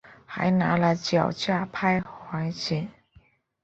还拿了脚架拍环景